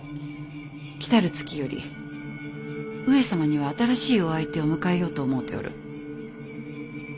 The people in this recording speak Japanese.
来る月より上様には新しいお相手を迎えようと思うておる。